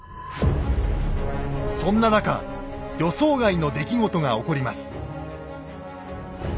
そんな中予想外の出来事が起こります。